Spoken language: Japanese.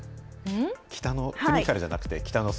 北の国からじゃなくて、北の空。